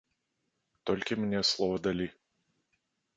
Толькі мне слова далі.